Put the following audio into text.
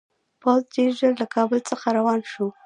پوځ ډېر ژر له کابل څخه روان شو.